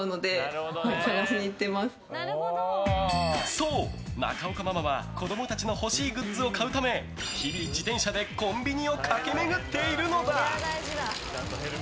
そう、中岡ママは子供たちの欲しいグッズを買うため日々、自転車でコンビニを駆け巡っているのだ。